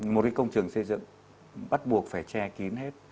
một cái công trình xây dựng bắt buộc phải che kín hết